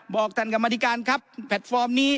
บอกท่านกรรมนครับแพลตฟอร์มนี้